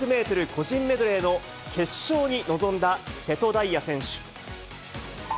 個人メドレーの決勝に臨んだ瀬戸大也選手。